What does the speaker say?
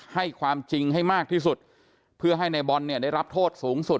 ให้ความจริงให้มากที่สุดเพื่อให้ในบอลเนี่ยได้รับโทษสูงสุด